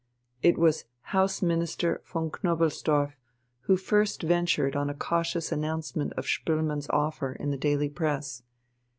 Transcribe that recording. It was House Minister von Knobelsdorff who first ventured on a cautious announcement of Spoelmann's offer in the daily press.